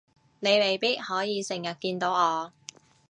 你未必可以成日見到我